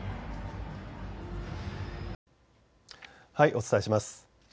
お伝えします。